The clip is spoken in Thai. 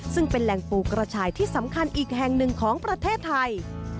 ซึ่งเป็นแหล่งปูกระชายที่สำคัญอีกแห่งหนึ่งของประเทศไทย